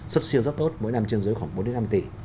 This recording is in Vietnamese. xuất siêu rất tốt mỗi năm trên dưới khoảng bốn năm tỷ